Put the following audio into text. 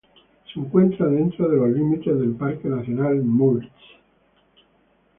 Se encuentra dentro de los límites del Parque nacional Müritz.